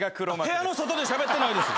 部屋の外でしゃべってないです。